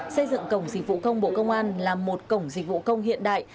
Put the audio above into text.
xây dựng cổng dịch vụ công bộ công an là một cổng dịch vụ công hiện đại